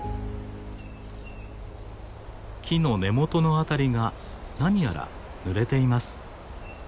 木の根元の辺りが何やらぬれています。